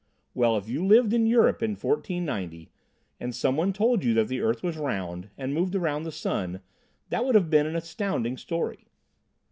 Well, if you lived in Europe in 1490, and someone told you the earth was round and moved around the sun that would have been an "astounding" story.